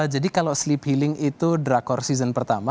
jadi kalau sleepy ling itu drakor season pertama